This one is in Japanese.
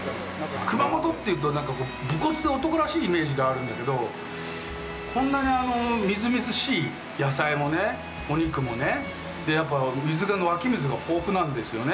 熊本っていうと、なんかこう、武骨で男らしいイメージがあるんだけど、こんなにみずみずしい、野菜もね、お肉もね、やっぱ、湧き水が豊富なんですよね。